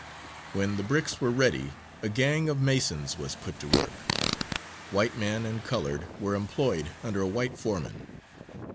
When the bricks were ready, a gang of masons was put to work. White men and coloured were employed, under a white foreman.